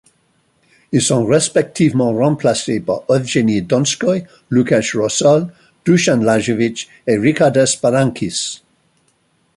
Ils sont respectivement remplacés par Evgeny Donskoy, Lukáš Rosol, Dušan Lajović et Ričardas Berankis.